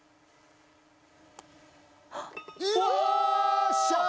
よっしゃ！